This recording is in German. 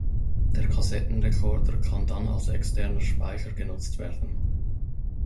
Der Kassettenrekorder kann dann als externer Speicher genutzt werden.